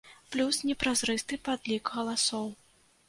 Плюс непразрысты падлік галасоў.